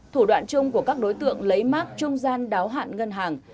thủ đoạn chung của các đối tượng lấy mác trung gian đáo hạn ngân hàng